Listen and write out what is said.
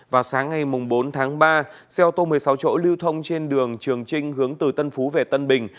vào sáng ngày bốn tháng ba xe ô tô một mươi sáu chỗ lưu thông trên đường trường trinh hướng từ tân phú về tân bình